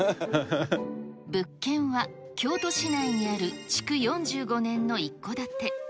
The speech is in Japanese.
物件は、京都市内にある築４５年の一戸建て。